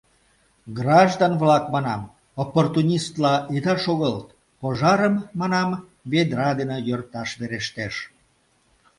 Граждан-влак, манам, оппортунистла ида шогылт, пожарым, манам, ведра дене йӧрташ верештеш...